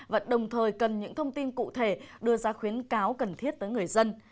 và đồng thời cần những thông tin cụ thể đưa ra khuyến cáo cần thiết tới người dân